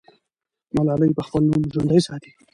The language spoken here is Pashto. ملالۍ به خپل نوم ژوندی ساتي.